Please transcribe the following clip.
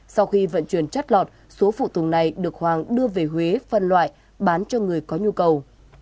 sau khi vận chuyển chất lọt số phụ tùng này được hoàng đưa về huế phân loại bán cho người có nhu cầu